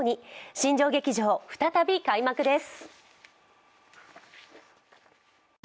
新庄劇場、再び開幕です。